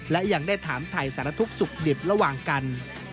และยังได้ถามไทยสารทุกข์สุขดิบระหว่างกัน